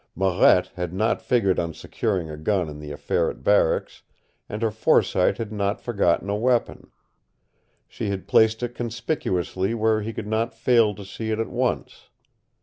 Marette had not figured on securing a gun in the affair at barracks, and her foresight had not forgotten a weapon. She had placed it conspicuously where he could not fail to see it at once.